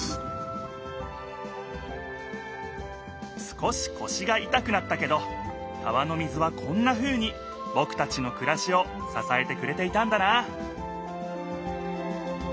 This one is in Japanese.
少しこしがいたくなったけど川の水はこんなふうにぼくたちのくらしをささえてくれていたんだな